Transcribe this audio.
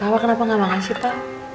papa kenapa gak makan sih pa